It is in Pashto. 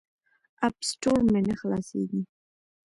اپ سټور مې نه خلاصیږي.